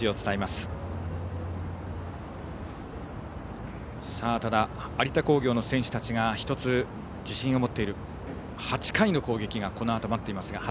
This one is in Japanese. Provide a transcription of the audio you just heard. ただ、有田工業の選手たちが自信を持っている８回の攻撃がこのあと待っています。